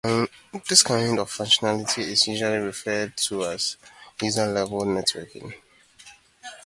This kind of functionality is usually referred to as "user-level networking".